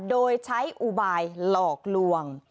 โดยใช้อุบายหลอกลวง